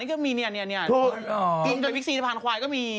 แล้วก็มีขี้ปลาแซลมอนไข่เค็ม